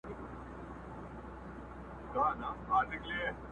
هم برېتونه هم لكۍ يې ښوروله؛